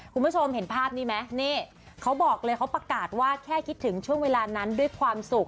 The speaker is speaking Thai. คุณผู้ชมเห็นภาพนี้ไหมนี่เขาบอกเลยเขาประกาศว่าแค่คิดถึงช่วงเวลานั้นด้วยความสุข